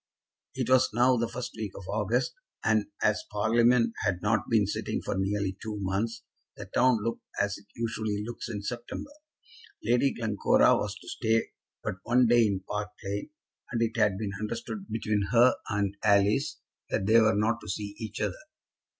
It was now the first week of August, and as Parliament had not been sitting for nearly two months, the town looked as it usually looks in September. Lady Glencora was to stay but one day in Park Lane, and it had been understood between her and Alice that they were not to see each other.